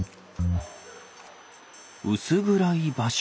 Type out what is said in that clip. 薄暗い場所。